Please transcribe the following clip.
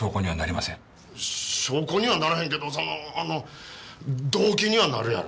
証拠にはならへんけどそのあの動機にはなるやろ。